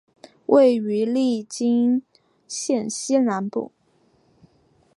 位于利津县西南部。